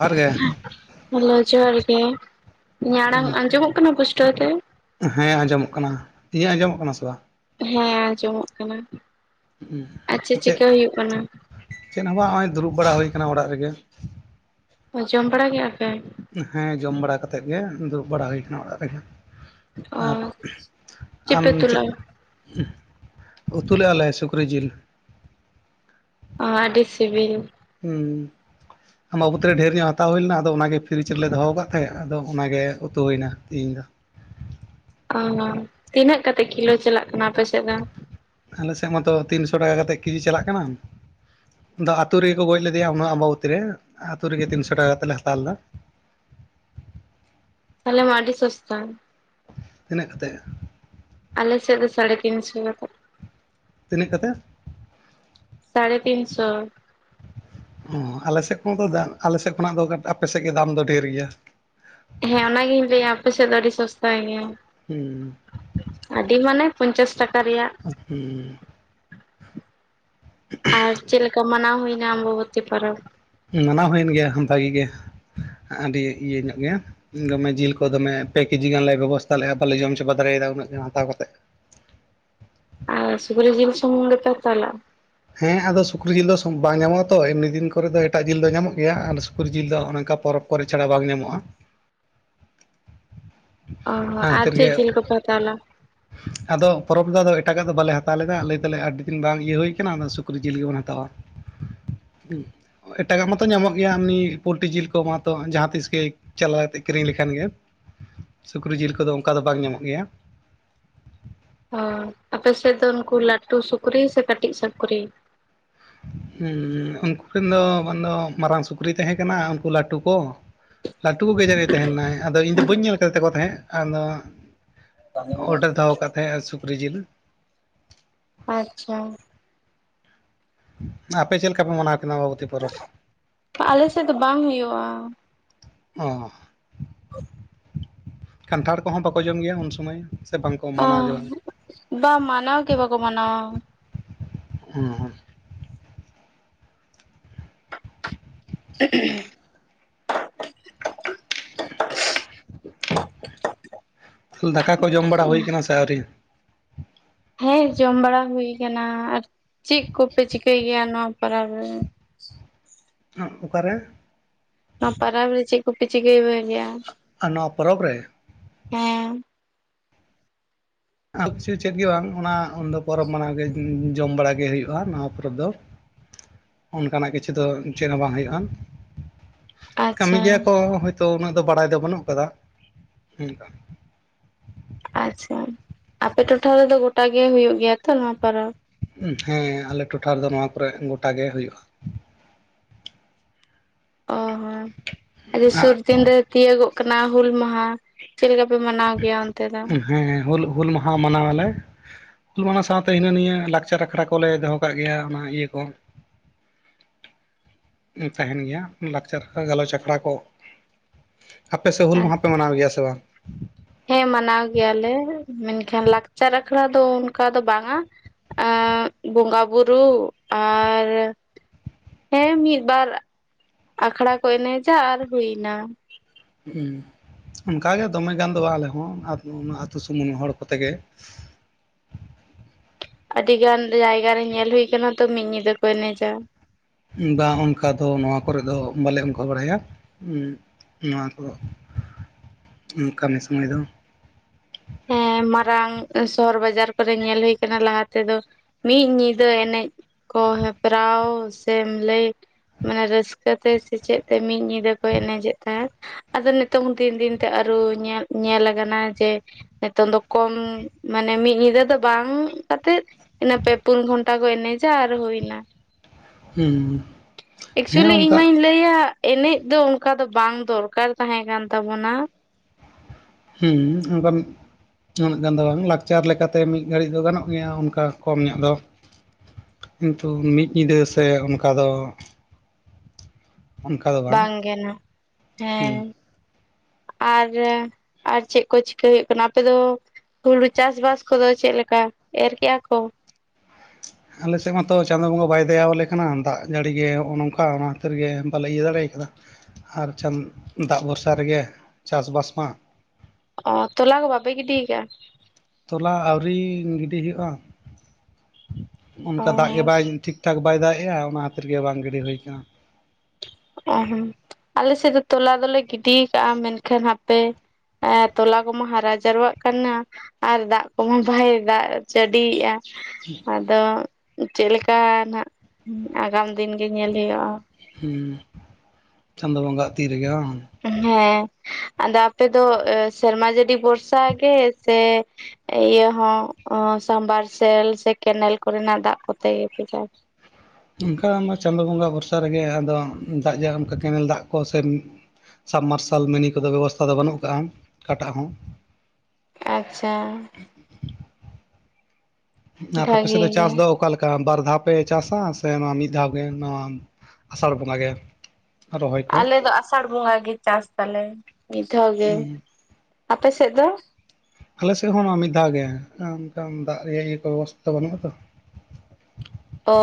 ᱡᱚᱦᱟᱨ ᱜᱮ ᱦᱮᱞᱳ ᱡᱚᱦᱟᱨ ᱜᱮ᱾ ᱤᱧᱟᱹᱜ ᱟᱲᱟᱝ ᱟᱸᱡᱚᱢᱚᱜ ᱠᱟᱱᱟ ᱯᱩᱥᱴᱟᱹᱣ ᱛᱮ? ᱦᱮᱸ ᱟᱸᱡᱚᱢᱚᱜ ᱠᱟᱱᱟ᱾ ᱤᱧᱟᱹᱜ ᱟᱸᱡᱚᱢᱚᱜ ᱠᱟᱱᱟ ᱥᱮ ᱵᱟᱝ? ᱦᱮᱸ ᱟᱸᱡᱚᱢᱚᱜ ᱠᱟᱱᱟ᱾ ᱟᱨ ᱪᱮᱫ, ᱪᱤᱠᱟᱹ ᱦᱩᱭᱩᱜ ᱠᱟᱱᱟ? ᱪᱮᱫ ᱦᱚᱸ ᱵᱟᱝ ᱦᱚᱜ-ᱚᱭ ᱫᱩᱲᱩᱵ ᱵᱟᱲᱟ ᱦᱩᱭ ᱟᱠᱟᱱᱟ ᱚᱲᱟᱜ ᱨᱮᱜᱮ᱾ ᱡᱚᱢ ᱵᱟᱲᱟ ᱠᱮᱜ-ᱟ ᱯᱮ? ᱦᱮᱸ ᱡᱚᱢ ᱵᱟᱲᱟ ᱠᱟᱛᱮᱜ ᱜᱮ ᱫᱩᱲᱩᱵ ᱵᱟᱲᱟ ᱦᱩᱭ ᱠᱟᱱᱟ ᱚᱲᱟᱜ ᱨᱮᱜᱮ᱾ ᱚ ᱟᱨ, ᱟᱢ ᱯᱮ ᱩᱛᱩ ᱪᱮᱫ? ᱞᱮᱜᱼᱟ? ᱩᱛᱩ ᱞᱮᱜ ᱟᱞᱮ ᱥᱩᱠᱨᱤ ᱡᱤᱞ᱾ ᱚ ᱟᱹᱰᱤ ᱥᱤᱵᱤᱞ᱾ ᱦᱩ ᱟᱢᱵᱟᱵᱩᱛᱤ ᱨᱮ ᱰᱷᱮᱨ ᱧᱚᱜ, ᱦᱟᱛᱟᱣ ᱦᱩᱭᱞᱮᱱᱟ ᱟᱫᱚ ᱚᱱᱟᱜᱮ ᱯᱷᱤᱨᱤᱡ ᱨᱮᱞᱮ ᱫᱚᱦᱚ ᱟᱠᱟᱜ ᱛᱟᱦᱮᱸᱫ᱾ ᱟᱫᱚ ᱚᱱᱟᱜᱮ ᱩᱛᱩ ᱦᱩᱭᱱᱟ ᱛᱮᱦᱤᱧ ᱫᱚ᱾ ᱚ, ᱛᱤᱱᱟᱹᱜ ᱠᱟᱛᱮᱜ ᱠᱤᱞᱳ ᱪᱟᱞᱟᱜ ᱠᱟᱱᱟ ᱟᱯᱮ ᱥᱮᱜ ᱫᱚ? ᱟᱞᱮᱥᱮᱜ ᱢᱟᱛᱚ ᱛᱤᱱᱥᱚ ᱴᱟᱠᱟ ᱠᱟᱛᱮᱜ ᱠᱮᱡᱤ ᱪᱟᱞᱟᱜ ᱠᱟᱱᱟ᱾ ᱟᱫᱚ ᱟᱛᱩ ᱨᱮᱜᱮ ᱠᱚ ᱜᱚᱡᱽ ᱞᱮᱫᱮᱭᱟ ᱚᱱᱟ ᱟᱢᱵᱟᱵᱚᱛᱤ ᱨᱮ ᱟᱛᱳ ᱨᱮᱜᱮ ᱛᱤᱱᱥᱚ ᱴᱟᱠᱟ ᱠᱟᱛᱮ ᱞᱮ ᱦᱟᱛᱟᱣ ᱞᱮᱫᱟ᱾ ᱛᱟᱦᱚᱞᱮ ᱢᱟ ᱟᱰᱤ ᱥᱚᱥᱛᱟ᱾ ᱛᱤᱱᱟᱹᱜ ᱠᱟᱛᱮᱜ? ᱟᱞᱮ ᱥᱮᱜ ᱫᱚ ᱥᱟᱲᱮ ᱛᱤᱱ ᱥᱚ ᱠᱟᱛᱮᱜ᱾ ᱛᱤᱱᱟᱹᱜ ᱠᱟᱛᱮᱜ? ᱥᱟᱲᱮ ᱛᱤᱱ ᱥᱚ᱾ ᱚ ᱟᱞᱮᱥᱮᱜ ᱠᱚ ᱷᱚ ᱟᱞᱮᱥᱮᱫ ᱠᱷᱚᱱᱟᱜ ᱫᱚ ᱟᱞᱮᱥᱮᱫ ᱫᱚ ᱫᱟᱢ ᱫᱚ ᱰᱷᱮᱨ ᱜᱮᱭᱟ᱾ ᱦᱮᱸ ᱚᱱᱟᱜᱤᱧ ᱞᱟᱹᱭᱟ ᱟᱯᱮ ᱥᱮᱫ ᱫᱚ ᱟᱹᱰᱤ ᱥᱚᱥᱛᱟ ᱜᱮ᱾ ᱦᱩᱸ ᱟᱹᱰᱤ ᱢᱟᱱᱮ ᱯᱚᱧᱪᱟᱥ ᱴᱟᱠᱟ ᱨᱮᱭᱟᱜ ᱦᱩᱸ᱾ ᱟᱨ ᱪᱮᱜ ᱞᱮᱠᱟ ᱢᱟᱱᱟᱣ ᱦᱩᱭᱱᱟ ᱟᱢᱵᱚᱵᱚᱛᱤ ᱯᱚᱨᱚᱵᱽ? ᱢᱟᱱᱟᱣ ᱦᱩᱭᱮᱱ ᱜᱮᱭᱟ ᱵᱷᱟᱜᱤ ᱜᱮ, ᱟᱹᱰᱤ ᱤᱭᱟᱹ ᱧᱚᱜ ᱜᱮ᱾ ᱫᱚᱢᱮ ᱡᱤᱞ ᱠᱚ ᱫᱚᱢᱮ ᱯᱮ ᱠᱮᱡᱤ ᱜᱟᱱ ᱞᱮ ᱵᱮᱵᱚᱥᱛᱟ ᱞᱮᱜᱼᱟ, ᱵᱟᱞᱮ ᱡᱚᱢ ᱪᱟᱵᱟ ᱫᱟᱲᱮᱭᱟᱫᱟ ᱩᱱᱟᱹᱜ ᱜᱟᱱ ᱦᱟᱛᱟᱣ ᱠᱟᱛᱮᱜ᱾ ᱟᱨ ᱥᱩᱠᱨᱤ ᱡᱤᱞ ᱥᱩᱢᱩᱝ ᱜᱮᱞᱮ ᱦᱟᱛᱟᱣ ᱞᱟᱜᱼᱟ ᱦᱮᱸ ᱟᱫᱚ ᱥᱩᱠᱨᱤ ᱡᱤᱞ ᱫᱚ ᱵᱟᱝ ᱧᱟᱢᱚᱜᱼᱟ ᱛᱚ ᱮᱢᱱᱤ ᱫᱤᱱ ᱠᱚᱨᱮ ᱫᱚ ᱮᱴᱟᱜ ᱡᱤᱞ ᱫᱚ ᱧᱟᱢᱚᱜ ᱜᱮᱭᱟ ᱟᱨ ᱥᱩᱠᱨᱤ ᱡᱤᱞ ᱫᱚ ᱚᱱᱮ ᱱᱚᱝᱠᱟ ᱯᱚᱨᱚᱵᱽ ᱠᱚᱨᱮ ᱪᱷᱟᱲᱟ ᱵᱟᱝ ᱧᱟᱢᱚᱜᱼᱟ ᱚ ᱚᱱᱟ ᱟᱨ ᱠᱷᱟᱹᱛᱤᱨ ᱪᱮᱫ ᱜᱮ ᱡᱤᱞ ᱠᱚᱯᱮ ᱦᱟᱛᱟᱣ ᱞᱟᱜᱼᱟ ᱟᱫᱚ ᱯᱚᱨᱚᱵᱽ ᱨᱮᱫᱚ ᱮᱴᱟᱜᱟᱜ ᱫᱚ ᱵᱟᱞᱮ ᱦᱟᱛᱟᱣ ᱞᱮᱫᱟ ᱞᱟᱹᱭ ᱛᱟᱞᱮ ᱟᱹᱰᱤ ᱫᱤᱱ ᱵᱟᱝ ᱤᱭᱟᱹ ᱦᱩᱭ ᱠᱟᱱᱟ ᱚᱱᱟ ᱥᱩᱠᱨᱤ ᱡᱤᱞ ᱜᱮᱵᱚᱱ ᱦᱟᱛᱟᱣᱟ ᱦᱩ ᱮᱴᱟᱜᱟᱜ ᱢᱟᱛᱚ ᱧᱟᱢᱚᱜ ᱜᱮᱭᱟ ᱮᱢᱱᱤ ᱯᱳᱞᱴ ᱡᱤᱞ ᱠᱚ ᱢᱟᱛᱚ ᱡᱟᱦᱟᱸ ᱛᱤᱥ ᱜᱮ ᱪᱟᱞᱟᱣ ᱠᱟᱛᱮᱫ ᱠᱤᱨᱤᱧ ᱞᱮᱠᱷᱟᱱ ᱜᱮ ᱥᱩᱠᱨᱤ ᱡᱤᱞ ᱠᱚᱫᱚ ᱚᱱᱠᱟ ᱫᱚ ᱵᱟᱝ ᱧᱟᱢᱚᱜ ᱜᱮᱭᱟ ᱚ ᱟᱯᱮᱥᱮᱫ ᱫᱚ ᱩᱱᱠᱩ ᱞᱟᱹᱴᱩ ᱥᱩᱠᱨᱤ ᱥᱮ ᱠᱟᱹᱴᱤᱡ ᱥᱩᱠᱨᱤ ᱦᱩ ᱩᱱᱠᱩᱨᱮᱱ ᱫᱚ ᱵᱟᱝᱫᱚ ᱢᱟᱨᱟᱝ ᱥᱩᱠᱨᱤ ᱛᱟᱦᱮ ᱠᱟᱱᱟ ᱩᱱᱠᱩ ᱞᱟᱹᱴᱩ ᱠᱚ [inaudible] ᱞᱟᱹᱴᱩ ᱜᱮ ᱡᱟᱱᱤᱡ ᱮ ᱛᱟᱦᱮ ᱞᱮᱱᱟᱭ ᱟᱫᱚ ᱤᱧ ᱫᱚ ᱵᱟᱹᱧ ᱧᱮᱞ ᱠᱟᱫᱮ ᱛᱟᱠᱚ ᱛᱟᱦᱮᱸᱫ ᱟᱫᱚ ᱚᱰᱟᱨ ᱫᱚᱦᱚ ᱠᱟᱛᱦᱮ ᱮ ᱥᱩᱠᱨᱤ ᱡᱤᱞ ᱟᱪᱪᱷᱟ ᱟᱯᱮ ᱪᱮᱫ ᱞᱮᱠᱟ ᱯᱮ ᱢᱟᱱᱟᱣ ᱠᱮᱫᱟ ᱟᱢᱵᱟᱵᱚᱛᱤ ᱯᱚᱨᱚᱵᱽ ᱟᱞᱮ ᱥᱮᱫ ᱫᱚ ᱵᱟᱝ ᱦᱩᱭᱩᱜᱼᱟ ᱚ ᱠᱟᱱᱴᱷᱟᱲ ᱠᱚᱦᱚᱸ ᱵᱟᱠᱚ ᱡᱚᱢ ᱜᱮᱭᱟ ᱩᱱ ᱥᱚᱢᱚᱭ ᱥᱮ ᱵᱟᱝᱠᱚ ᱢᱟᱱᱟᱣ ᱜᱮ ᱵᱟᱝ ᱵᱟ ᱢᱟᱱᱟᱣ ᱜᱮ ᱵᱟᱠᱚ ᱢᱟᱱᱟᱣᱟ ᱦᱩ ᱦᱩ [inaudible] ᱫᱟᱠᱟ ᱠᱚ ᱡᱚᱢ ᱵᱟᱲᱟ ᱦᱩᱭ ᱠᱟᱱᱟ ᱥᱮ ᱟᱹᱣᱨᱤ ᱦᱮᱸ ᱡᱚᱢ ᱵᱟᱲᱟ ᱦᱩᱭ ᱠᱟᱱᱟ ᱟᱨ ᱪᱮᱫ ᱠᱚᱯᱮ ᱪᱤᱠᱟᱹᱭ ᱜᱮᱭᱟ ᱱᱚᱣᱟ ᱯᱟᱨᱟᱵᱽ ᱨᱮ ᱚᱠᱟᱨᱮ ᱱᱚᱣᱟ ᱯᱟᱨᱟᱵᱽ ᱨᱮ ᱪᱮᱫ ᱠᱚᱯᱮ ᱪᱤᱠᱟᱹᱭ ᱜᱮᱭᱟ ᱟᱨ ᱱᱚᱣᱟ ᱯᱚᱨᱚᱵᱽ ᱨᱮ ᱦᱮᱸ ᱟᱨ ᱠᱤᱪᱷᱩ ᱪᱮᱫ ᱜᱮ ᱵᱟᱝ ᱚᱱᱟ ᱩᱱᱫᱚ ᱯᱚᱨᱚᱵᱽ ᱢᱟᱱᱟᱣ ᱜᱮ ᱡᱚᱢ ᱵᱟᱲᱟᱟᱜ ᱜᱮ ᱦᱩᱭᱩᱜᱼᱟ ᱱᱚᱣᱟ ᱯᱚᱨᱚᱵᱽ ᱫᱚ [unintelligible] ᱚᱱᱠᱟᱱᱟᱜ ᱠᱤᱪᱷᱩ ᱫᱚ ᱪᱮᱫ ᱦᱚᱸ ᱵᱟᱝ ᱦᱩᱭᱩᱜᱼᱟ ᱠᱟᱹᱢᱤ ᱜᱮᱭᱟ ᱟᱪᱪᱷᱟ ᱠᱚ ᱦᱳᱭᱛᱳ ᱩᱱᱟᱹᱜ ᱫᱚ ᱵᱟᱲᱟᱭ ᱫᱚ ᱵᱟᱹᱱᱩᱜ ᱠᱟᱫᱟ ᱟᱪᱪᱷᱟ ᱟᱯᱮ ᱴᱚᱴᱷᱟ ᱨᱮᱫᱚ ᱜᱚᱴᱟᱜᱮ ᱦᱩᱭᱩᱜ ᱜᱮᱭᱟ ᱛᱚ ᱱᱚᱣᱟ ᱯᱟᱨᱟᱵᱽ ᱦᱮᱸ ᱟᱞᱮ ᱴᱚᱴᱷᱟ ᱨᱮᱫᱚ ᱱᱚᱣᱟ ᱠᱚᱨᱮ ᱜᱚᱴᱟ ᱜᱮ ᱦᱩᱭᱩᱜᱼᱟ ᱚ ᱦᱚᱸ ᱥᱩᱨ ᱫᱤᱱᱨᱮ ᱛᱤᱭᱟᱹᱜᱚᱜ ᱠᱟᱱᱟ ᱦᱩᱞ ᱢᱟᱦᱟ ᱪᱮᱫ ᱞᱮᱠᱟ ᱯᱮ ᱢᱟᱱᱟᱣ ᱜᱮᱭᱟ ᱚᱱᱛᱮ ᱫᱚ ᱦᱮᱸ ᱦᱩᱞ ᱦᱩᱞ ᱢᱟᱦᱟ ᱢᱟᱱᱟᱣᱟᱞᱮ ᱦᱩᱞ ᱢᱟᱦᱟ ᱥᱟᱶᱛᱮ ᱦᱤᱱᱟᱹ ᱱᱤᱭᱟᱹ ᱞᱟᱠᱪᱟᱨ ᱟᱠᱷᱲᱟ ᱠᱚᱞᱮ ᱫᱚᱦᱚ ᱠᱟᱜ ᱜᱮᱭᱟ ᱚᱱᱟ ᱤᱭᱟᱹ ᱠᱚ ᱛᱟᱦᱮᱱ ᱜᱮᱭᱟ ᱞᱟᱠᱪᱟᱨ ᱜᱟᱞᱚᱪ ᱟᱠᱷᱲᱟ ᱠᱚ ᱟᱯᱮ ᱥᱮᱫ ᱦᱩᱞ ᱢᱟᱦᱟ ᱯᱮ ᱢᱟᱱᱟᱣ ᱜᱮᱭᱟ ᱥᱮ ᱵᱟᱝ ᱦᱮᱸ ᱢᱟᱱᱟᱣ ᱜᱮᱭᱟᱞᱮ ᱢᱮᱱᱠᱷᱟᱱ ᱞᱟᱠᱪᱟᱨ ᱟᱠᱷᱲᱟ ᱫᱚ ᱚᱱᱠᱟ ᱫᱚ ᱵᱟᱝᱼᱟ ᱵᱚᱸᱜᱟ ᱵᱩᱨᱩ ᱟᱨ ᱦᱮᱸ ᱢᱤᱫ ᱵᱟᱨ ᱟᱠᱷᱲᱟ ᱠᱚ ᱮᱱᱮᱡᱟ ᱟᱨ ᱦᱩᱭ ᱮᱱᱟ ᱦᱮᱸ ᱚᱱᱠᱟᱜᱮ ᱫᱚᱢᱮ ᱜᱟᱱ ᱫᱚ ᱵᱟᱝ ᱟᱞᱮ ᱦᱚᱸ ᱟᱹᱛᱩ ᱥᱩᱢᱩᱝ ᱦᱚᱲ ᱠᱚᱛᱮᱜᱮ ᱟᱹᱰᱤ ᱜᱟᱱ ᱡᱟᱭᱜᱟ ᱨᱮ ᱧᱮᱞ ᱦᱩᱭ ᱟᱠᱟᱱᱟ ᱛᱚ ᱢᱤᱫ ᱧᱤᱫᱟᱹ ᱠᱚ ᱮᱱᱮᱡᱟ ᱵᱟ ᱚᱱᱠᱟ ᱫᱚ ᱱᱚᱣᱟ ᱠᱚᱨᱮ ᱫᱚ ᱵᱟᱞᱮ ᱚᱱᱠᱟ ᱵᱟᱲᱟᱭᱟ ᱱᱚᱣᱟ ᱠᱚ ᱠᱟᱹᱢᱤ ᱥᱩᱢᱟᱹᱭ ᱫᱚ ᱦᱮᱸ ᱢᱟᱨᱟᱝ ᱥᱚᱦᱚᱨ ᱵᱟᱡᱟᱨ ᱠᱚᱨᱮ ᱧᱮᱞ ᱦᱩᱭ ᱟᱠᱟᱱᱟ ᱞᱟᱦᱟ ᱛᱮᱫᱚ ᱢᱤᱫ ᱧᱤᱫᱟᱹ ᱮᱱᱮᱡ ᱠᱚ ᱦᱮᱯᱨᱟᱣ ᱥᱮᱢ ᱞᱟᱹᱭ ᱢᱟᱱᱮ ᱨᱟᱹᱥᱠᱟᱹ ᱛᱮ ᱥᱮᱪᱮᱫ ᱛᱮ ᱢᱤᱫ ᱧᱤᱫᱟᱹ ᱠᱚ ᱮᱱᱮᱡᱮᱫ ᱛᱟᱦᱮᱸᱫ ᱟᱫᱚ ᱱᱤᱛᱚᱝ ᱫᱤᱱ ᱫᱤᱱ ᱛᱮ ᱟᱨᱩ ᱧᱮᱞ ᱠᱟᱱᱟ ᱡᱮ ᱱᱤᱛᱚᱝ ᱫᱚ ᱠᱚᱢ ᱢᱟᱱᱮ ᱢᱤᱫ ᱧᱤᱫᱟᱹ ᱫᱚ ᱵᱟᱝ ᱠᱟᱛᱮᱫ ᱤᱱᱟᱹ ᱯᱮ ᱯᱩᱱ ᱜᱷᱚᱱᱴᱟ ᱠᱚ ᱮᱱᱮᱡᱟ ᱟᱨ ᱦᱩᱭ ᱮᱱᱟ ᱦᱩᱸ ᱦᱮᱸ ᱮᱠᱪᱩᱞᱤ ᱤᱧ ᱚᱱᱠᱟ ᱢᱟᱧ ᱞᱟᱹᱭ ᱞᱟᱹᱭᱟ ᱮᱱᱮᱡ ᱫᱚ ᱚᱱᱠᱟ ᱫᱚ ᱵᱟᱝ ᱫᱚᱨᱠᱟᱨ ᱛᱟᱦᱮᱸ ᱠᱟᱱ ᱛᱟᱵᱚᱱᱟ ᱦᱮᱸ ᱚᱱᱠᱟ ᱩᱱᱟᱹᱜ ᱜᱟᱱ ᱫᱚ ᱵᱟᱝ ᱞᱟᱠᱪᱟᱨ ᱞᱮᱠᱟ ᱛᱮ ᱢᱤᱫ ᱜᱷᱟᱹᱲᱤᱡ ᱫᱚ ᱜᱟᱱᱚᱜ ᱜᱮᱭᱟ ᱚᱱᱠᱟ ᱠᱚᱢ ᱧᱚᱜ ᱫᱚ ᱠᱤᱱᱛᱩ ᱢᱤᱫ ᱧᱤᱫᱟᱹ ᱥᱮ ᱚᱱᱠᱟ ᱫᱚ ᱚᱱᱠᱟ ᱫᱚ ᱵᱟᱝ ᱜᱮ ᱦᱮᱸ ᱟᱨ ᱟᱨ ᱪᱮᱫ ᱠᱚ ᱪᱤᱠᱟᱹ ᱦᱩᱭᱩᱜ ᱠᱟᱱᱟ ᱟᱯᱮ ᱫᱚ ᱦᱩᱲᱩ ᱪᱟᱥ ᱵᱟᱥ ᱠᱚ ᱫᱚ ᱪᱮᱫ ᱞᱮᱠᱟ ᱮᱨ ᱠᱮᱜᱼᱟ ᱠᱚ ᱟᱞᱮ ᱥᱮᱫ ᱢᱟᱛᱚ ᱪᱟᱸᱫᱳ ᱵᱚᱸᱜᱟ ᱵᱟᱭ ᱫᱟᱭᱟᱣ ᱟᱞᱮ ᱠᱟᱱᱟ ᱫᱟᱜ ᱡᱟᱹᱲᱤ ᱜᱮ ᱱᱚᱜᱼᱚᱭ ᱱᱚᱝᱠᱟ ᱚᱱᱟ ᱠᱷᱟᱹᱛᱤᱨ ᱜᱮ ᱵᱟᱞᱮ ᱤᱭᱟᱹ ᱫᱟᱲᱮ ᱟᱠᱟᱫᱟ ᱟᱨ ᱫᱟᱜ ᱵᱷᱚᱨᱥᱟ ᱨᱮ ᱜᱮ ᱪᱟᱥ ᱵᱟᱥ ᱢᱟ ᱚ ᱛᱚᱞᱟ ᱠᱚ ᱵᱟᱵᱮ ᱜᱤᱰᱤᱭᱟᱠᱟᱫᱟ ᱛᱚᱞᱟ ᱟᱹᱣᱨᱤ ᱜᱤᱰᱤ ᱦᱩᱭᱩᱜᱼᱟ ᱚᱱᱠᱟ ᱫᱟᱜ ᱜᱮ ᱚ ᱵᱟᱭ ᱴᱷᱤᱠ ᱴᱷᱤᱠ ᱴᱷᱟᱠ ᱵᱟᱭ ᱫᱟᱜᱮᱜᱼᱟ ᱚᱱᱟ ᱠᱷᱟᱹᱛᱤᱨ ᱜᱮ ᱵᱟᱝ ᱜᱤᱰᱤ ᱦᱩᱭ ᱟᱠᱟᱱᱟ ᱚ ᱦᱚᱸ ᱟᱞᱮ ᱥᱮᱫ ᱫᱚ ᱛᱚᱞᱟ ᱫᱚᱞᱮ ᱜᱤᱰᱤ ᱠᱟᱜᱼᱟ ᱢᱮᱱᱠᱷᱟᱱ ᱦᱟᱯᱮ ᱮ ᱛᱚᱞᱟ ᱠᱚᱢᱟ ᱦᱟᱨᱟ ᱡᱟᱨᱣᱟᱜ ᱠᱟᱱᱟ ᱟᱨ ᱫᱟᱜ ᱠᱚ ᱦᱚᱸ ᱵᱟᱭ ᱫᱟᱜ ᱡᱟᱹᱰᱤᱭᱮᱫᱼᱟ ᱟᱫᱚ ᱪᱮᱫ ᱞᱮᱠᱟ ᱱᱟᱜ ᱟᱜᱟᱢ ᱫᱤᱱ ᱜᱮ ᱧᱮᱞ ᱦᱩᱭᱩᱜᱼᱟ ᱦᱩᱸ ᱪᱟᱸᱫᱚ ᱵᱚᱸᱜᱟᱣᱟᱜ ᱛᱤ ᱨᱮ ᱜᱮ ᱵᱟᱝ ᱦᱮᱸ ᱟᱫᱚ ᱟᱯᱮ ᱫᱚ ᱥᱮᱨᱢᱟ ᱡᱟᱹᱲᱤ ᱵᱷᱚᱨᱥᱟ ᱜᱮ ᱥᱮ ᱤᱭᱟᱹ ᱦᱚᱸ ᱥᱟᱢᱵᱟᱨᱥᱮᱞ ᱥᱮ ᱠᱮᱱᱮᱞ ᱠᱚ ᱨᱮᱱᱟᱜ ᱫᱟᱜ ᱠᱚᱛᱮ ᱜᱮᱯᱮ ᱪᱟᱥ ᱚᱱᱠᱟ ᱚᱱᱟ ᱪᱟᱸᱫᱳ ᱵᱚᱸᱜᱟ ᱵᱷᱚᱨᱥᱟ ᱨᱮ ᱜᱮ ᱟᱫᱚ ᱫᱟᱜ ᱡᱟ ᱚᱱᱠᱟ ᱠᱮᱱᱮᱞ ᱫᱟᱜ ᱠᱚ ᱥᱮ ᱥᱟᱵᱢᱟᱨᱥᱟᱞ ᱢᱤᱱᱤ ᱠᱚᱫᱚ ᱵᱮᱵᱚᱥᱛᱷᱟ ᱫᱚ ᱵᱟᱹᱱᱩᱜ ᱟᱠᱟᱜᱼᱟ ᱚᱠᱟᱴᱟᱜ ᱦᱚᱸ ᱟᱪᱪᱷᱟ ᱟᱨ ᱟᱯᱮ ᱥᱮᱫ ᱵᱷᱟᱜᱤ ᱫᱚ ᱜᱮ ᱪᱟᱥ ᱫᱚ ᱚᱠᱟ ᱞᱮᱠᱟ ᱵᱟᱨ ᱫᱷᱟᱣ ᱯᱮ ᱪᱟᱥᱟ ᱥᱮ ᱱᱚᱣᱟ ᱢᱤᱫ ᱫᱷᱟᱣ ᱜᱮ ᱱᱚᱣᱟ ᱟᱥᱟᱲ ᱵᱚᱸᱜᱟ ᱜᱮ ᱨᱚᱦᱚᱭ ᱠᱚ ᱟᱞᱮ ᱫᱚ ᱟᱥᱟᱲ ᱵᱚᱸᱜᱟ ᱜᱮ ᱪᱟᱥ ᱛᱟᱞᱮ ᱢᱤᱫᱷᱟᱣ ᱜᱮ ᱦᱩᱸ ᱟᱯᱮ ᱥᱮᱫ ᱫᱚ ᱟᱞᱮ ᱥᱮᱫ ᱦᱚᱸ ᱢᱤᱫ ᱫᱷᱟᱣ ᱜᱮ ᱚᱱᱠᱟ ᱫᱟᱜ ᱨᱮᱭᱟᱜ ᱤᱭᱟᱹ ᱠᱚ ᱵᱮᱵᱚᱥᱷᱟ ᱫᱚ ᱵᱟᱹᱱᱩᱜᱼᱟ ᱛᱚ ᱚ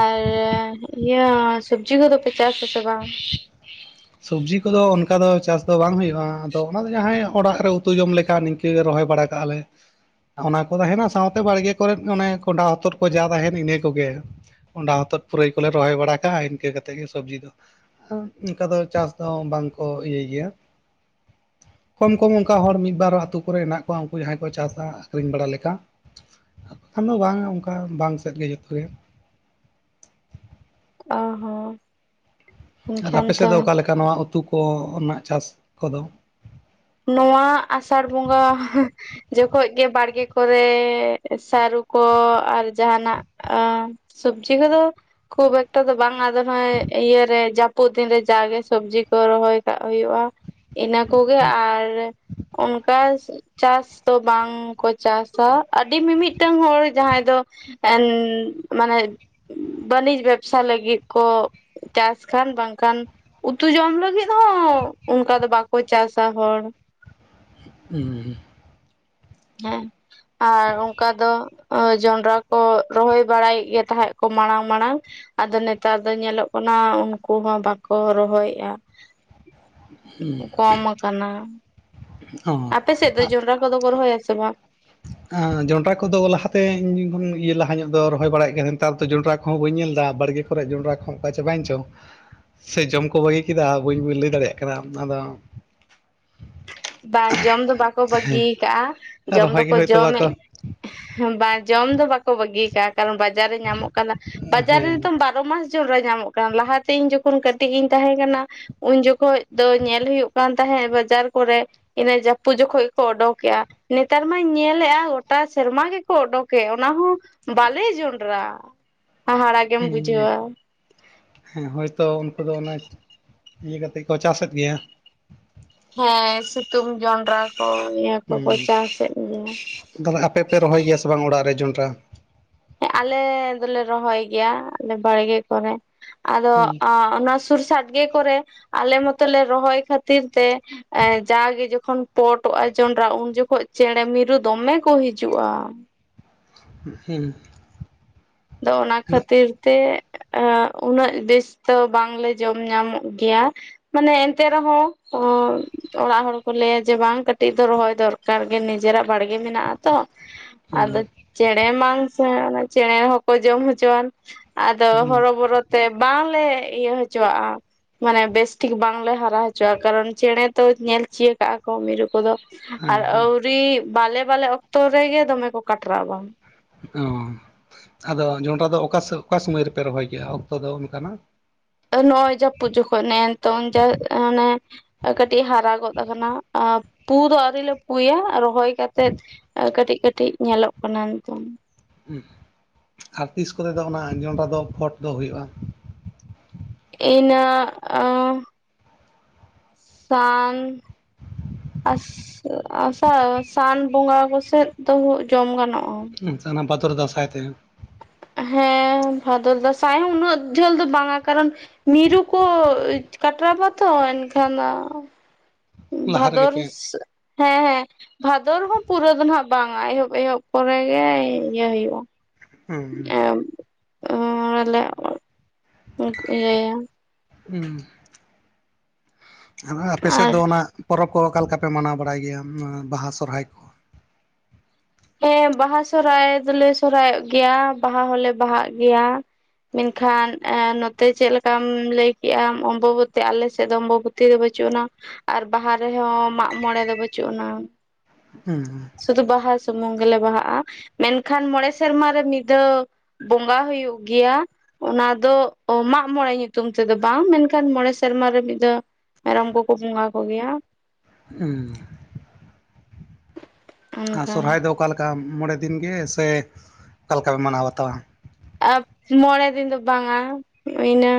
ᱟᱨ ᱤᱭᱟᱹ ᱥᱚᱵᱽᱡᱤ ᱠᱚ ᱫᱚ ᱯᱮ ᱪᱟᱥ ᱟᱥᱮ ᱵᱟᱝ ᱥᱚᱵᱽᱡᱤ ᱠᱚ ᱫᱚ ᱚᱱᱠᱟ ᱫᱚ ᱪᱟᱥ ᱫᱚ ᱵᱟᱝ ᱦᱩᱭᱩᱜᱼᱟ ᱟᱫᱚ ᱚᱱᱟ ᱫᱚ ᱡᱟᱦᱟᱸᱭ ᱚᱲᱟᱜ ᱨᱮ ᱩᱛᱩ ᱡᱚᱢ ᱞᱮᱠᱟ ᱨᱚᱦᱚᱭ ᱵᱟᱲᱟ ᱠᱟᱜᱼᱟ ᱞᱮ ᱚᱱᱟ ᱠᱚ ᱛᱟᱦᱮᱸᱱᱟ ᱥᱟᱶᱛᱮ ᱵᱟᱲᱜᱮ ᱠᱚ ᱨᱮ ᱚᱱᱮ ᱠᱚᱸᱰᱷᱟ ᱦᱚᱛᱚᱫ ᱠᱚ ᱡᱟ ᱛᱟᱦᱮᱸᱱ ᱤᱱᱟᱹ ᱠᱚ ᱜᱮ ᱠᱚᱱᱰᱷᱟ ᱦᱚᱛᱚᱫ ᱯᱩᱨᱟᱹᱭ ᱠᱚ ᱞᱮ ᱨᱚᱦᱚᱭ ᱵᱟᱲᱟ ᱠᱟᱜᱼᱟ ᱤᱱᱠᱟᱹ ᱠᱟᱛᱮᱫ ᱜᱮ ᱥᱚᱵᱽᱡᱤ ᱫᱚ ᱟᱨ ᱚᱱᱠᱟ ᱫᱚ ᱪᱟᱥ ᱫᱚ ᱵᱟᱝᱠᱚ ᱤᱭᱟᱹᱭ ᱜᱮᱭᱟ [inaudible] ᱠᱚᱢ ᱠᱚᱢ ᱚᱱᱠᱟ ᱦᱚᱲ ᱢᱤᱫ ᱵᱟᱨ ᱟᱹᱛᱩ ᱠᱚ ᱨᱮ ᱦᱮᱱᱟᱜ ᱠᱚᱣᱟ ᱩᱱᱠᱩ ᱡᱟᱦᱟᱸᱭ ᱠᱚ ᱪᱟᱥᱟ ᱟᱠᱷᱨᱤᱧ ᱵᱟᱲᱟ ᱞᱮᱠᱟ ᱠᱷᱟᱱ ᱫᱚ ᱵᱟᱝ ᱚᱱᱠᱟ ᱵᱟᱝ ᱥᱮᱫ ᱜᱮ ᱡᱚᱛᱚ ᱜᱮ ᱚᱱᱟ ᱦᱚᱸ ᱟᱨ ᱮᱱᱠᱷᱟᱱ ᱟᱯᱮ ᱥᱮᱫ ᱛᱚ ᱫᱚ ᱚᱠᱟ ᱞᱮᱠᱟ ᱱᱚᱣᱟ ᱩᱛᱩ ᱠᱚ ᱨᱮᱱᱟᱜ ᱪᱟᱥ ᱠᱚ ᱫᱚ ᱱᱚᱣᱟ ᱟᱥᱟᱲ ᱵᱚᱸᱜᱟ ᱡᱚᱠᱷᱚᱡ ᱜᱮ ᱵᱟᱲᱜᱮ ᱠᱚᱨᱮ ᱥᱟᱹᱨᱩ ᱠᱚ ᱟᱨ ᱡᱟᱦᱟᱸᱱᱟᱜ ᱥᱩᱵᱽᱡᱤ ᱠᱚ ᱫᱚ ᱠᱷᱩᱵ ᱮᱠᱴᱟ ᱫᱚ ᱵᱟᱝ ᱟᱨ ᱟᱫᱚ ᱦᱚᱸᱜ ᱼᱚᱭ ᱤᱭᱟᱹ ᱨᱮ ᱡᱟᱹᱯᱩᱫ ᱫᱤᱱ ᱨᱮ ᱡᱟᱜᱮ ᱥᱚᱵᱽᱡᱤ ᱠᱚ ᱨᱚᱦᱚᱭ ᱠᱟᱜ ᱦᱳᱭᱳᱜᱼᱟ ᱤᱱᱟᱹ ᱠᱚ ᱜᱮ ᱟᱨ ᱚᱱᱠᱟ ᱪᱟᱥ ᱫᱚ ᱵᱟᱝᱠᱚ ᱪᱟᱥᱟ ᱟᱹᱰᱤ ᱢᱤᱢᱤᱫᱴᱟᱝ ᱦᱚᱲ ᱡᱟᱦᱟᱸᱭ ᱫᱚ ᱮ ᱢᱟᱱᱮ ᱵᱟᱹᱱᱤᱡᱽ ᱵᱮᱵᱥᱟ ᱞᱟᱹᱜᱤᱫ ᱠᱚ ᱪᱟᱥ ᱠᱷᱟᱱ ᱵᱟᱝᱠᱷᱟᱱ ᱩᱛᱩ ᱡᱚᱢ ᱞᱟᱹᱜᱤᱫ ᱦᱚᱸ ᱚᱱᱠᱟ ᱫᱚ ᱵᱟᱠᱚ ᱪᱟᱥᱟ ᱦᱚᱲ [unintelligible] ᱦᱮᱸ ᱟᱨ ᱚᱝᱠᱟ ᱫᱚ ᱡᱚᱱᱰᱨᱟ ᱠᱚ ᱨᱚᱦᱚᱭ ᱵᱟᱲᱟᱭᱮᱫ ᱜᱮ ᱛᱟᱦᱮᱸᱜ ᱠᱚ ᱢᱟᱲᱟᱝ ᱢᱟᱲᱟᱝ ᱟᱫᱚ ᱱᱮᱛᱟᱨ ᱫᱚ ᱧᱮᱞᱚᱜ ᱠᱟᱱᱟ ᱩᱱᱠᱩ ᱦᱚᱸ ᱵᱟᱠᱚ ᱨᱚᱦᱚᱭᱮᱜᱼᱟ᱾ ᱠᱚᱢ ᱟᱠᱟᱱᱟ ᱚ ᱟᱯᱮ ᱥᱮᱫ ᱫᱚ ᱡᱚᱱᱰᱨᱟ ᱠᱚᱫᱚ ᱠᱚ ᱨᱚᱦᱚᱭᱟ ᱥᱮ ᱵᱟᱝ? ᱡᱚᱸᱰᱨᱟ ᱠᱚᱫᱚ ᱞᱟᱦᱟᱛᱮ ᱤᱭᱟᱹ ᱞᱟᱦᱟ ᱧᱚᱜ ᱫᱚ ᱨᱚᱦᱚᱭ ᱵᱟᱲᱟᱭᱮᱫ ᱜᱮ ᱱᱮᱛᱟᱨ ᱫᱚ ᱡᱚᱸᱰᱨᱟ ᱠᱚᱦᱚᱸ ᱵᱟᱹᱧ ᱧᱮᱞ ᱮᱫᱟ ᱵᱟᱲᱜᱮ ᱠᱚᱨᱮ ᱡᱚᱸᱰᱨᱟ ᱠᱚᱦᱚᱸ ᱠᱚᱟ ᱪᱟᱵᱟᱭᱮᱱ ᱪᱚ ᱥᱮ ᱡᱚᱢ ᱠᱚ ᱵᱟᱹᱜᱤ ᱠᱮᱫᱟ ᱵᱟᱹᱧ ᱵᱟᱹᱧ ᱞᱟᱹᱭ ᱫᱟᱲᱮᱭᱟᱜ ᱠᱟᱱᱟ ᱚᱱᱟᱫᱚ ᱵᱟᱝ ᱡᱚᱢ ᱫᱚ ᱵᱟᱠᱚ ᱵᱟᱹᱜᱤ ᱠᱟᱜᱼᱟ ᱡᱚᱢ ᱨᱚᱦᱚᱭ ᱜᱮ ᱫᱚᱠᱚ ᱦᱳᱭᱛᱳ ᱵᱟᱠᱚ ᱡᱚᱢᱮᱜ ᱵᱟᱝ ᱡᱚᱢ ᱫᱚ ᱵᱟᱠᱚ ᱵᱟᱹᱜᱤ ᱠᱟᱜᱼᱟ ᱠᱟᱨᱚᱱ ᱵᱟᱡᱟᱨ ᱨᱮ ᱧᱟᱢᱚᱜ ᱠᱟᱱᱟ ᱵᱟᱡᱟᱨ ᱨᱮ ᱦᱮᱸ ᱫᱚᱢ ᱵᱟᱜ ᱵᱟᱨᱚ ᱢᱟᱥ ᱡᱚᱱᱰᱨᱟ ᱧᱟᱢᱚᱜ ᱠᱟᱱᱟ ᱞᱟᱦᱟᱛᱮ ᱤᱧ ᱡᱚᱠᱷᱚᱱ ᱠᱟᱹᱴᱤᱡ ᱜᱤᱧ ᱛᱟᱦᱮᱸ ᱠᱟᱱᱟ ᱩᱱ ᱡᱚᱠᱷᱚᱡ ᱫᱚ ᱧᱮᱞ ᱦᱩᱭᱩᱜ ᱠᱟᱱ ᱛᱟᱦᱮᱸᱜ ᱵᱟᱡᱟᱨ ᱠᱚᱨᱮ ᱤᱱᱟᱹ ᱡᱟᱹᱯᱩᱫ ᱡᱚᱠᱷᱚᱡ ᱠᱚ ᱚᱰᱚᱠᱮᱜᱼᱟ ᱱᱮᱛᱟᱨ ᱢᱟᱧ ᱧᱮᱞᱮᱜᱼᱟ ᱜᱚᱴᱟ ᱥᱮᱨᱢᱟ ᱜᱮᱠᱚ ᱚᱰᱚᱠᱮᱜ ᱚᱱᱟ ᱦᱚᱸ ᱵᱟᱞᱮ ᱡᱚᱱᱰᱨᱟ ᱦᱟᱦᱟᱲᱟ ᱜᱮᱢ ᱦᱮᱸ ᱵᱩᱡᱷᱟᱹᱣᱟ ᱦᱮᱸ ᱦᱚᱭᱛᱚ ᱩᱱᱠᱩ ᱫᱚ ᱚᱱᱟ ᱤᱭᱟᱹ ᱠᱟᱛᱮᱜ ᱠᱚ ᱪᱟᱥᱮᱫ ᱜᱮᱭᱟ᱾ ᱦᱮᱸ ᱥᱤᱛᱩᱝ ᱡᱚᱱᱰᱨᱟ ᱠᱚ ᱤᱭᱟᱹ ᱠᱚᱠᱚ ᱪᱟᱥᱮᱜ ᱜᱮᱭᱟ ᱛᱟᱦᱞᱮ ᱟᱯᱮᱯᱮ ᱨᱚᱦᱚᱭ ᱜᱮᱭᱟ ᱥᱮ ᱵᱟᱝ ᱚᱲᱟᱜ ᱨᱮ ᱡᱚᱱᱰᱨᱟ ᱦᱮᱸ ᱟᱞᱮ ᱫᱚᱞᱮ ᱨᱚᱦᱚᱭ ᱜᱮᱭᱟ ᱟᱞᱮ ᱵᱟᱲᱜᱮ ᱠᱚᱨᱮ ᱟᱫᱚ ᱦᱮᱸ ᱟ ᱚᱱᱟ ᱥᱩᱨ ᱥᱟᱰᱜᱮ ᱠᱚᱨᱮ ᱟᱞᱮ ᱢᱚᱛᱚᱞᱮ ᱨᱚᱦᱚᱭ ᱠᱷᱟᱹᱛᱤᱨ ᱛᱮ ᱡᱟᱜᱮ ᱡᱚᱠᱷᱚᱱ ᱯᱚᱴᱚᱜᱼᱟ ᱡᱚᱱᱰᱨᱟ ᱩᱱ ᱡᱚᱠᱷᱚᱡ ᱪᱮᱬᱮ ᱢᱤᱨᱩ ᱫᱚᱢᱮ ᱠᱚ ᱦᱤᱡᱩᱜᱼᱟ᱾ ᱦᱤᱱ ᱟᱫᱚ ᱚᱱᱟ ᱠᱷᱟᱹᱛᱤᱨ ᱛᱮ ᱮᱸ ᱩᱱᱟᱹᱜ ᱵᱮᱥ ᱫᱚ ᱵᱟᱝᱞᱮ ᱡᱚᱢ ᱧᱟᱢᱚᱜ ᱜᱮᱭᱟ ᱢᱟᱱᱮ ᱮᱱᱛᱮ ᱨᱮᱦᱚᱸ ᱚᱲᱟᱜ ᱦᱚᱲᱠᱚ ᱞᱟᱹᱭᱟ ᱡᱮ ᱵᱟᱝ ᱠᱟᱹᱴᱤᱡ ᱫᱚ ᱨᱚᱦᱚᱭ ᱫᱚᱨᱠᱟᱨ ᱜᱮ ᱱᱤᱡᱮᱨᱟᱜ ᱵᱟᱲᱜᱮ ᱢᱮᱱᱟᱜᱼᱟ ᱛᱚ ᱦᱮᱸ ᱟᱫᱚ ᱪᱮᱬᱮ ᱢᱟ ᱥᱮ ᱪᱮᱬᱮ ᱦᱚᱸ ᱠᱚ ᱡᱚᱢ ᱦᱚᱪᱚᱣᱟᱱ ᱟᱫᱚ ᱦᱮᱸ ᱦᱚᱨᱚᱵᱚᱨᱚ ᱛᱮ ᱵᱟᱝᱞᱮ ᱤᱭᱟᱹ ᱦᱚᱪᱚᱣᱟᱜᱼᱟ ᱢᱟᱱᱮ ᱵᱮᱥᱴᱷᱤᱠ ᱵᱟᱝᱞᱮ ᱦᱟᱨᱟ ᱦᱚᱪᱚᱣᱟᱜᱼᱟ ᱠᱟᱨᱚᱱ ᱪᱮᱬᱮ ᱛᱚ ᱧᱮᱞ ᱪᱤᱭᱟ ᱠᱟᱜᱼᱟ ᱠᱚ ᱢᱤᱨᱩ ᱠᱚᱫᱚ ᱟᱨ ᱦᱮᱸ ᱟᱹᱣᱨᱤ ᱵᱟᱞᱮ ᱵᱟᱞᱮ ᱚᱠᱛᱚ ᱨᱮᱜᱮ ᱫᱚᱢᱮ ᱠᱚ ᱠᱟᱴᱨᱟᱣᱟ ᱚ ᱟᱫᱚ ᱡᱚᱱᱰᱨᱟ ᱫᱚ ᱚᱠᱟ ᱚᱠᱟ ᱥᱚᱢᱚᱭ ᱨᱮᱯᱮ ᱨᱚᱦᱚᱭ ᱠᱮᱭᱟ ᱚᱠᱛᱚ ᱫᱚ ᱚᱱᱠᱟᱱᱟᱜ ᱟᱨ ᱱᱚᱜᱼᱚᱭ ᱡᱟᱹᱯᱩᱫ ᱡᱚᱠᱷᱚᱡ ᱱᱮᱜ ᱮ ᱱᱤᱛᱚᱜ ᱡᱟ ᱟᱱᱮ ᱠᱟᱹᱴᱤᱡ ᱦᱟᱨᱟ ᱜᱚᱫ ᱟᱠᱟᱱᱟ ᱯᱩ ᱫᱚ ᱟᱹᱣᱨᱤ ᱞᱮ ᱯᱩᱭᱟ ᱟᱨᱚ ᱦᱚᱭ ᱠᱟᱛᱮᱜ ᱠᱟᱹᱴᱤᱡ ᱠᱟᱹᱴᱤᱡ ᱧᱮᱞᱚᱜ ᱠᱟᱱᱟ ᱱᱤᱛᱚᱝ ᱟᱨ ᱛᱤᱥ ᱠᱚᱛᱮ ᱫᱚ ᱚᱱᱟ ᱡᱚᱱᱰᱨᱟ ᱨᱮᱫᱚ ᱯᱷᱚᱴ ᱫᱚ ᱦᱩᱭᱩᱜᱼᱟ ᱤᱱᱟᱹᱜ- ᱟ ᱥᱟᱱ ᱟᱥ ᱟᱥᱟ ᱥᱟᱱ ᱵᱚᱸᱜᱟ ᱠᱚᱥᱮᱫ ᱫᱚ ᱡᱚᱢ ᱜᱟᱱᱚᱜᱼᱟ ᱩᱸᱦ ᱥᱟᱱᱟ ᱵᱟᱛᱚᱨ ᱫᱚ ᱥᱟᱸᱭ ᱛᱮᱜᱮ ᱦᱮᱸ ᱵᱷᱟᱫᱚᱨ ᱫᱟᱸᱥᱟᱭ ᱦᱚᱸ ᱩᱱᱟᱹᱜ ᱡᱷᱟᱹᱞ ᱫᱚ ᱵᱟᱝᱟ ᱠᱟᱨᱚᱱ ᱢᱤᱨᱩ ᱠᱚ ᱠᱟᱴᱨᱟᱵᱟᱛᱷᱚᱱ ᱮᱱᱠᱷᱟᱱᱟ ᱞᱟᱦᱟ ᱨᱮᱜᱮ ᱵᱷᱟᱫᱚᱨ ᱯᱮ ᱥᱟᱹᱜ ᱦᱮᱸ ᱦᱮᱸ ᱵᱷᱟᱫᱚᱨ ᱦᱚᱸ ᱯᱩᱨᱟᱹ ᱫᱚ ᱱᱦᱟᱜ ᱵᱟᱝᱟ ᱮᱦᱚᱵ ᱮᱦᱚᱵ ᱯᱚᱨᱮ ᱜᱮ ᱤᱭᱟᱹ ᱦᱩᱭᱩᱜᱼᱟ᱾ ᱦᱩᱸ ᱮᱸᱢ ᱮᱸᱞᱮ ᱤᱭᱟᱹᱭᱟ ᱦᱩᱸ [unintelligible] ᱟᱨ ᱟᱯᱮ ᱥᱮᱫ ᱟᱨ ᱫᱚ ᱚᱱᱟ ᱯᱚᱨᱚᱵᱽ ᱠᱚ ᱚᱠᱟ ᱞᱮᱠᱟᱯᱮ ᱢᱟᱱᱟᱣ ᱵᱟᱲᱟᱭ ᱜᱮᱭᱟ ᱚᱱᱟ ᱵᱟᱦᱟ ᱥᱚᱦᱨᱟᱭ ᱠᱚ ᱦᱮᱸ ᱵᱟᱦᱟ ᱥᱚᱦᱨᱟᱭ ᱫᱚᱞᱮ ᱥᱚᱨᱦᱟᱭᱚᱜ ᱜᱮᱭᱟ ᱵᱟᱦᱟ ᱦᱚᱸᱞᱮ ᱵᱟᱦᱟᱜ ᱜᱮᱭᱟ ᱢᱮᱱᱠᱷᱟᱱ ᱱᱚᱛᱮ ᱪᱮᱫᱞᱮᱠᱟᱢ ᱞᱟᱹᱭᱠᱮᱜᱼᱟ ᱚᱢᱵᱚᱵᱚᱛᱤ ᱟᱞᱮᱥᱮᱫ ᱫᱚ ᱚᱢᱵᱚᱵᱚᱛᱤ ᱛᱷᱤᱨ ᱵᱟᱹᱪᱩᱜ ᱟᱱᱟ ᱟᱨ ᱵᱟᱦᱟ ᱨᱮᱦᱚᱸ ᱢᱟᱜ ᱢᱚᱬᱮ ᱫᱚ ᱵᱟᱹᱪᱩᱜ ᱟᱱᱟ ᱦᱩᱸ ᱥᱩᱫᱩ ᱵᱟᱦᱟ ᱥᱩᱢᱩᱝ ᱜᱮᱞᱮ ᱵᱟᱦᱟᱜᱼᱟ ᱢᱮᱱᱠᱷᱟᱱ ᱢᱚᱬᱮ ᱥᱮᱨᱢᱟ ᱨᱮ ᱢᱤᱫ ᱫᱷᱟᱹᱣ ᱵᱚᱸᱜᱟ ᱦᱩᱭᱩᱜ ᱜᱮᱭᱟ ᱚᱱᱟ ᱫᱚ ᱢᱟᱜᱢᱚᱬᱮ ᱧᱩᱛᱩᱢ ᱛᱮᱫᱚ ᱵᱟᱝ ᱢᱮᱱᱠᱷᱟᱱ ᱢᱚᱬᱮ ᱥᱮᱨᱢᱟ ᱨᱮ ᱢᱤᱫ ᱫᱷᱟᱹᱣ ᱢᱮᱨᱚᱢ ᱠᱚᱠᱚ ᱵᱚᱸᱜᱟ ᱠᱚᱜᱮᱭᱟ ᱦᱩᱸ ᱟᱨ ᱚᱱᱠᱟ ᱥᱚᱨᱦᱟᱭ ᱫᱚ ᱚᱠᱟᱮᱠᱟ ᱢᱚᱬᱮ ᱫᱤᱱ ᱜᱮ ᱥᱮ ᱚᱠᱟ ᱞᱮᱠᱟ ᱯᱮ ᱢᱟᱱᱟᱣ ᱵᱟᱛᱟᱣᱟ [unintelligible] ᱢᱚᱬᱮ ᱫᱤᱱ ᱫᱚ ᱵᱟᱝᱟ ᱤᱱᱟᱹ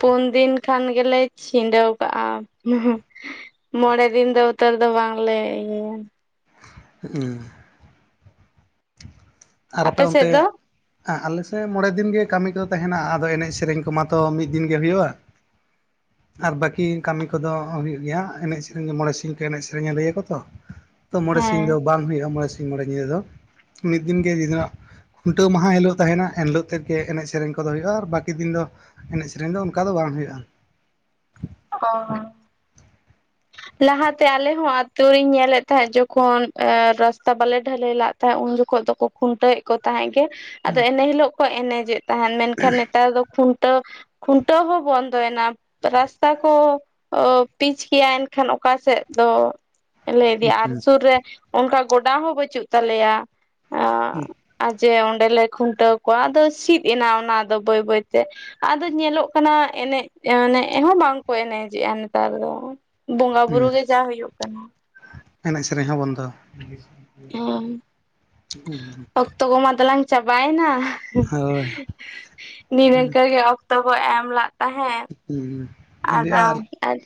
ᱯᱩᱱ ᱫᱤᱱ ᱠᱷᱟᱱ ᱜᱮᱞᱮ ᱪᱷᱤᱸᱰᱟᱹᱣ ᱠᱟᱜᱼᱟ [unintelligible] ᱢᱚᱬᱮ ᱫᱤᱱ ᱫᱚ ᱩᱛᱟᱹᱨ ᱫᱚ ᱵᱟᱝᱞᱮ ᱤᱭᱟᱹᱭᱟ [unintelligible] ᱟᱨ ᱟᱯᱮ ᱥᱮᱫ ᱚᱱᱛᱮ ᱫᱚ? ᱟᱞᱮᱥᱮᱫ ᱢᱚᱬᱮ ᱫᱤᱱ ᱜᱮ ᱠᱟᱹᱢᱤ ᱠᱚᱫᱚ ᱛᱟᱦᱮᱱᱟ ᱟᱫᱚ ᱮᱱᱮᱡ ᱥᱮᱨᱮᱧ ᱠᱚᱢᱟᱛᱚ ᱢᱤᱫ ᱫᱤᱱ ᱜᱮ ᱦᱩᱭᱩᱜᱼᱟ [inaudible] ᱟᱨ ᱵᱟᱹᱠᱤ ᱠᱟᱹᱢᱤ ᱠᱚᱫᱚ ᱦᱩᱭᱩᱜ ᱜᱮᱭᱟ ᱮᱱᱮᱡ ᱥᱮᱨᱮᱧ ᱜᱮ ᱢᱚᱬᱮ ᱥᱤᱧ ᱠᱚ ᱮᱱᱮᱡ ᱥᱮᱨᱮᱧᱟ ᱞᱟᱹᱭ ᱟᱠᱚ ᱛᱚ [inaudible] ᱛᱚ ᱢᱚᱬᱮ ᱥᱤᱧ ᱫᱚ ᱵᱟᱝ ᱦᱩᱭᱩᱜᱼᱟ ᱢᱚᱬᱮ ᱥᱤᱧ ᱢᱚᱬᱮ ᱧᱤᱫᱟᱹ ᱫᱚ ᱢᱤᱫ ᱫᱤᱱ ᱜᱮ [unintelligible] ᱠᱷᱩᱱᱴᱟᱹᱣ ᱢᱟᱦᱟ ᱦᱤᱞᱳᱜ ᱛᱟᱦᱮᱱᱟ ᱮᱱᱦᱤᱞᱳᱜ ᱛᱮᱫᱜᱮ ᱮᱱᱮᱡ ᱥᱮᱨᱮᱧ ᱠᱚᱫᱚ ᱦᱩᱭᱩᱜᱼᱟ ᱟᱨ ᱵᱟᱹᱠᱤ ᱫᱤᱱ ᱫᱚ ᱮᱱᱮᱡ ᱥᱮᱨᱮᱧ ᱫᱚ ᱚᱱᱠᱟ ᱫᱚ ᱵᱟᱝ ᱦᱩᱭᱩᱜᱼᱟ ᱚ ᱦᱚ ᱞᱟᱦᱟᱛᱮ ᱟᱞᱮᱦᱚᱸ ᱟᱛᱳᱨᱤᱧ ᱧᱮᱞᱮᱫ ᱛᱟᱦᱮᱸᱫ ᱡᱚᱠᱷᱚᱱ ᱨᱟᱥᱛᱟ ᱵᱟᱞᱮ ᱰᱷᱟᱹᱞᱟᱹᱭᱞᱟᱜ ᱛᱟᱦᱮᱸᱜ ᱩᱱ ᱡᱚᱠᱷᱚᱡ ᱫᱚᱠᱚ ᱠᱷᱩᱱᱴᱟᱹᱣᱮᱫ ᱠᱚ ᱛᱟᱦᱮᱸᱜ ᱜᱮ ᱟᱫᱚ ᱮᱱᱮ ᱦᱤᱞᱳᱜ ᱠᱚ ᱮᱱᱮᱡᱮᱫ ᱛᱟᱦᱮᱸᱱ ᱢᱮᱱᱠᱷᱟᱱ ᱱᱮᱛᱟᱨ ᱫᱚ ᱠᱷᱩᱱᱴᱟᱹᱣ ᱠᱷᱩᱱᱴᱟᱹᱣ ᱦᱚᱸ ᱵᱚᱱᱫᱚᱭᱮᱱᱟ ᱨᱟᱥᱛᱟ ᱠᱚ ᱯᱤᱪ ᱠᱮᱜ ᱟ ᱮᱱ ᱮᱠᱷᱟᱱ ᱚᱠᱟ ᱥᱮᱫ ᱫᱚ ᱞᱮ ᱤᱫᱤᱭᱟ ᱟᱨ ᱥᱩᱨ ᱨᱮ ᱚᱱᱠᱟ ᱜᱚᱰᱟ ᱦᱚᱸ ᱵᱟᱹᱪᱩᱜ ᱛᱟᱞᱮᱭᱟ ᱟᱚᱸ ᱡᱮ ᱚᱸᱰᱮᱞᱮ ᱠᱷᱩᱱᱴᱟᱹᱣ ᱠᱚᱣᱟ ᱟᱫᱚ ᱥᱤᱫ ᱮᱱᱟ ᱚᱱᱟᱫᱚ ᱵᱟᱹᱭ ᱵᱟᱹᱭᱛᱮ ᱟᱫᱚ ᱧᱮᱞᱚᱜ ᱠᱟᱱᱟ ᱮᱱᱮᱡ ᱮᱱᱮᱡ ᱦᱚᱸ ᱵᱟᱝᱠᱚ ᱮᱱᱮᱡᱮᱜᱼᱟ ᱱᱮᱛᱟᱨ ᱫᱚ ᱵᱚᱸᱜᱟ ᱵᱩᱨᱩ ᱜᱮ ᱡᱟ ᱦᱩᱭᱩᱜ ᱠᱟᱱᱟ ᱮᱱᱮᱡ ᱥᱮᱨᱮᱧ ᱦᱚᱸ ᱵᱚᱱᱫᱚ ᱦᱚᱸ ᱚᱠᱛᱚ ᱠᱚ ᱢᱟ ᱫᱚᱞᱟᱝ ᱪᱟᱵᱟᱭᱮᱱᱟ [unintelligible] ᱱᱤᱱᱤᱝᱠᱟᱹ ᱜᱮ ᱚᱠᱛᱚ ᱵᱚ ᱮᱢ ᱞᱟᱜ ᱛᱟᱸᱦᱮᱸᱫ ᱟᱫᱚ ᱟᱨ